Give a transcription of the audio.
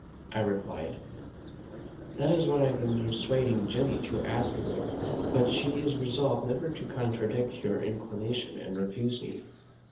I replied, "That is what I have been persuading Jenny to ask of you, but she is resolved never to contradict your inclination, and refused me."